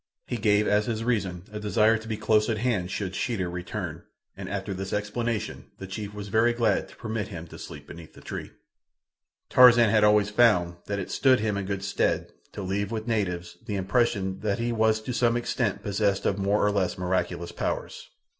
He gave as his reason a desire to be close at hand should Sheeta return, and after this explanation the chief was very glad to permit him to sleep beneath the tree. Tarzan had always found that it stood him in good stead to leave with natives the impression that he was to some extent possessed of more or less miraculous powers.